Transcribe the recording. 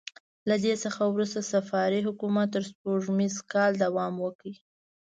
له دې څخه وروسته صفاري حکومت تر سپوږمیز کاله دوام وکړ.